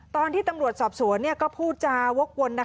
ตอนที่ตำรวจสอบสวนก็พูดจาวกวน